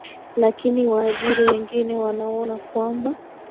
lakini waajiri wengine wanaona kwamba